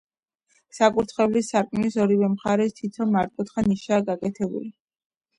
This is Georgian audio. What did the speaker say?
საკურთხევლის სარკმლის ორივე მხარეს თითო მართკუთხა ნიშაა გაკეთებული.